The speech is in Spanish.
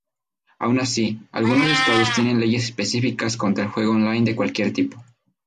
Aun así, algunos estados tienen leyes específicas contra el juego online de cualquier tipo.